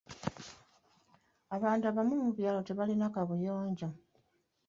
Abantu abamu mu byalo tebalina kaabuyonjo.